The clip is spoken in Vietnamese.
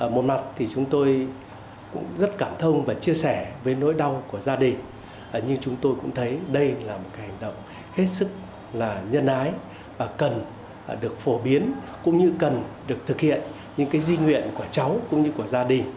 một mặt thì chúng tôi cũng rất cảm thông và chia sẻ với nỗi đau của gia đình như chúng tôi cũng thấy đây là một hành động hết sức là nhân ái và cần được phổ biến cũng như cần được thực hiện những cái di nguyện của cháu cũng như của gia đình